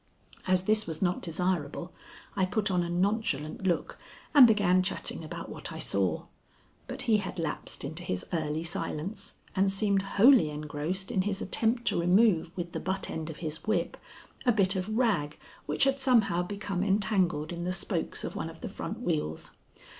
As this was not desirable, I put on a nonchalant look and began chatting about what I saw. But he had lapsed into his early silence, and seemed wholly engrossed in his attempt to remove with the butt end of his whip a bit of rag which had somehow become entangled in the spokes of one of the front wheels.